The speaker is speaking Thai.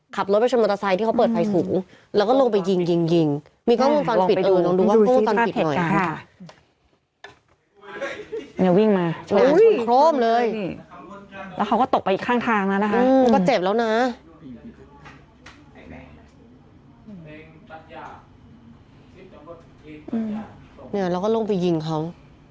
ขับรถไปชนมอเตอร์ไซต์ที่เขาเปิดไฟสูงแล้วก็ลงไปยิงยิงมีก้าวมือฟันผิดอย่างนั้น